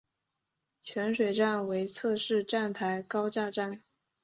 泉水站为侧式站台高架站。